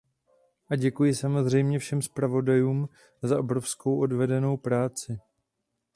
A děkuji samozřejmě všem zpravodajům za obrovskou odvedenou práci.